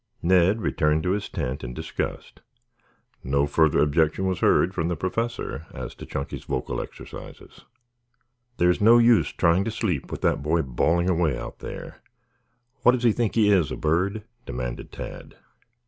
Ned returned to his tent in disgust. No further objection was heard from the Professor as to Chunky's vocal exercises. "There's no use trying to sleep with that boy bawling away out there. What does he think he is, a bird?" demanded Tad.